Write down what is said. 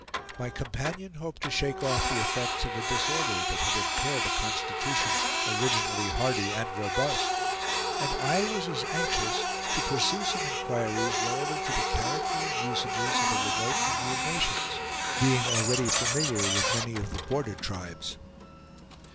My companion hoped to shake off the effects of a disorder that had impaired a constitution originally hardy and robust; and I was anxious to pursue some inquiries relative to the character and usages of the remote Indian nations, being already familiar with many of the border tribes.